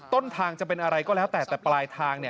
ต้นทางจะเป็นอะไรก็แล้วแต่แต่ปลายทาง